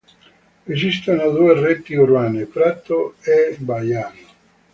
Esistono due reti urbane: Prato e Vaiano.